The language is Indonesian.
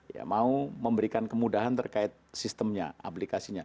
ya mau memberikan kemudahan terkait sistemnya aplikasinya